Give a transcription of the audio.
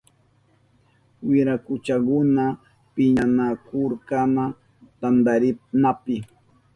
Wirakuchakunaka piñanakuhunkuna tantarinapi.